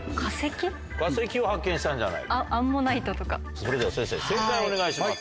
それでは先生正解をお願いします。